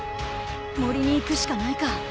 森に行くしかないか。